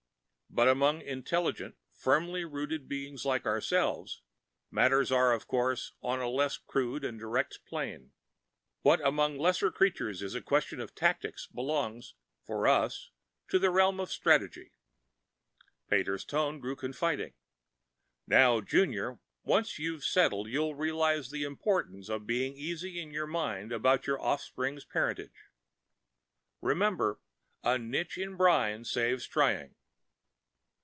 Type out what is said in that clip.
But among intelligent, firmly rooted beings like ourselves, matters are, of course, on a less crude and direct plane. What among lesser creatures is a question of tactics belongs, for us, to the realm of strategy." Pater's tone grew confiding. "Now, Junior, once you're settled you'll realize the importance of being easy in your mind about your offspring's parentage. Remember, a niche in brine saves trying.